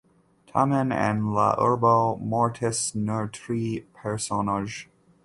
Tamen en la urbo mortis nur tri personoj.